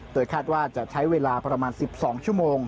โดยคาดว่าจะใช้เวลาประมาณ๑๒ชั่วโมง